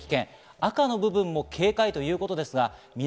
赤の部分も警戒ということですが南